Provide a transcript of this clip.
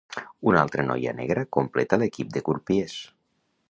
Una altra noia negra completa l'equip de crupiers.